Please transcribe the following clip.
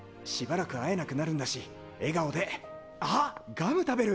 ガム食べる？